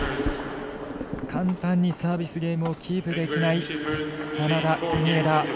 簡単にサービスゲームをキープできない、眞田、国枝。